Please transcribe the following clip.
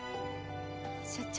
社長。